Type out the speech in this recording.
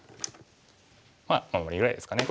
まあ守りぐらいですかね。